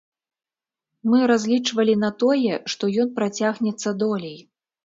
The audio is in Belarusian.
Мы разлічвалі на тое, што ён працягнецца долей.